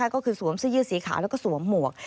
ก็คือสวมเสื้อยืดสีขาวแล้วก็สวมหมวก